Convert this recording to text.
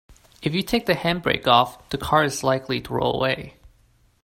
If you take the handbrake off, the car is likely to roll away